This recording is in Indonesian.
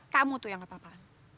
kamu tuh yang gak apa apaan